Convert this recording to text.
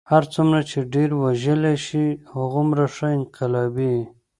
هر څومره چې ډېر وژلی شې هغومره ښه انقلابي یې.